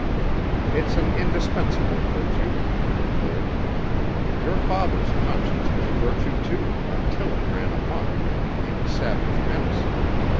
"It's an indispensable virtue," he declared. "Your father's conscience was a virtue, too, until it ran amuck and became a savage menace.